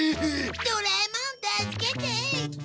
ドラえもん助けてって。